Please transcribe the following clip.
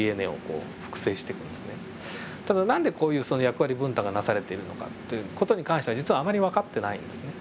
ただ何でこういう役割分担がなされているのかという事に関しては実はあまり分かってないんですね。